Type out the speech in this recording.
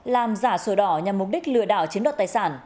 làm giả sồi đỏ nhằm mục đích lừa đảo chiến đoạt tài sản